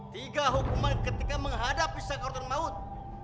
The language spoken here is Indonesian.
tiga hukuman ketika menghadapi sekor termaut